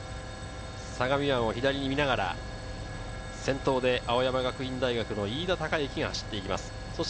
相模湾を左に見ながら先頭で青山学院大学の飯田貴之が走っていきます。